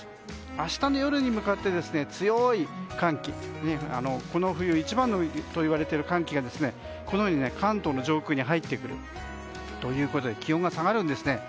明日の夜に向かって強い寒気この冬一番といわれている寒気がこのように関東の上空に入ってくるということで気温が下がるんですね。